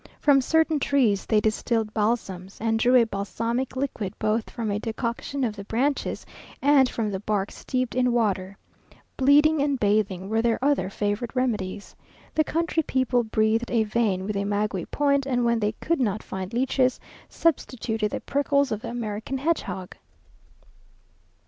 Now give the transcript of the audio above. From certain trees they distilled balsams; and drew a balsamic liquid both from a decoction of the branches, and from the bark steeped in water. Bleeding and bathing were their other favourite remedies. The country people breathed a vein with a maguey point, and when they could not find leeches, substituted the prickles of the American hedgehog.